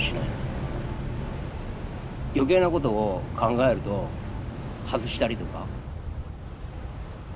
余計なことを考えると外したりとか。